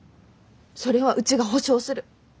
それはうちが保証する。